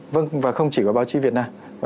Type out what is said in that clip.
vâng và không chỉ của báo chí việt nam